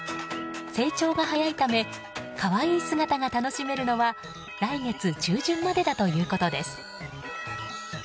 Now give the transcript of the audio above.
成長が早いため可愛い姿が楽しめるのは来月中旬までだということです。